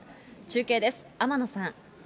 中継です、天野さん。